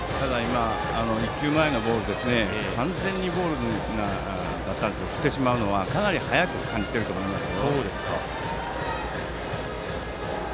１球前のボール完全にボールだったんですけど振ってしまうのは、かなり速く感じていると思いますよ。